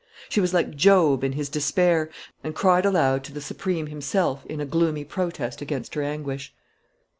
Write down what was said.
She was like Job in his despair, and cried aloud to the Supreme Himself in a gloomy protest against her anguish.